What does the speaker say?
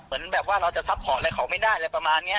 เหมือนแบบว่าเราจะซัพพอร์ตอะไรเขาไม่ได้อะไรประมาณนี้